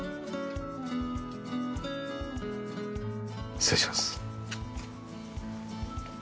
失礼します。